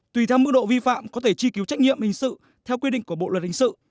tùy theo mức độ vi phạm có thể truy cứu trách nhiệm hình sự theo quy định của bộ luật hình sự